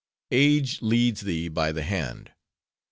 Age leads thee by the hand.